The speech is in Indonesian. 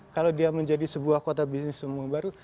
kalau dia menjadi sebuah kota bisnis umum baru